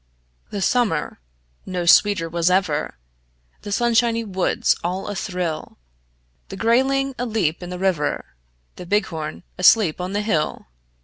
The summer no sweeter was ever; The sunshiny woods all athrill; The grayling aleap in the river, The bighorn asleep on the hill.